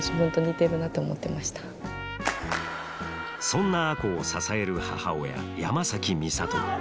そんな亜子を支える母親山崎美里。